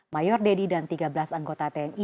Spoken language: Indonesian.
mayor deddy dan tiga belas anggota tni